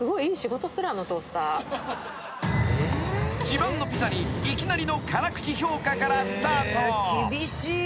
［自慢のピザにいきなりの辛口評価からスタート］